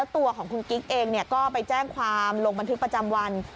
ตัวของคุณกิ๊กเองก็ไปแจ้งความลงบันทึกประจำวัน